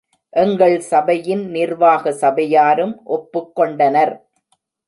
எங்கள் சபையின் நிர்வாக சபையாரும் ஒப்புக் கொண்டனர்.